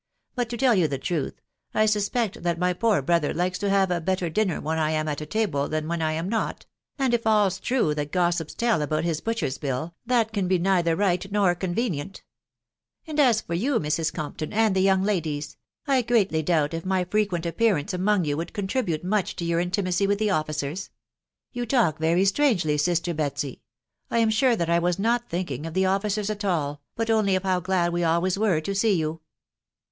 But to Cell you the truth, I suspect that my poor brother likes to have a better dinner when I am at table than when I am not ; and if all's true that gossips tell about his butcher's bill, that can be neither right nor convenient ;..., and as for you, Mrs. Compton, and the young ladies, I greatly doubt if my fre quent appearance among you would contribute much to your intimacy with the officers." " You talk very strangely, sister Betsy .... I am sure I was not thinking of the officers at all, but only of how glad we always were to see you."